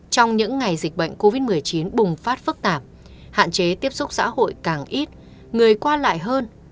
trong những ngày dịch bệnh covid một mươi chín bùng phát phức tạp hạn chế tiếp xúc xã hội càng ít người qua lại hơn